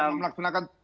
terima kasih pak junifer